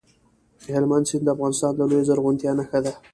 هلمند سیند د افغانستان د لویې زرغونتیا نښه ده.